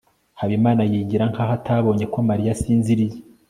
habimana yigira nkaho atabonye ko mariya asinziriye